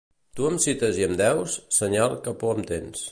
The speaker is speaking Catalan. Tu em cites i em deus? Senyal que por em tens.